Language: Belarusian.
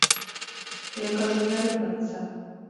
Я кажу, не рыпацца.